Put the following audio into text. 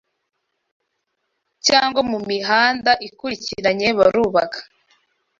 Cyangwa mumihanda ikurikiranye barubaka